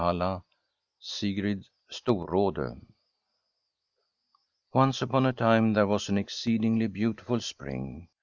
1 1561 SiGRID StORRADE Once upon a time there was an exceedingly beautiful spring.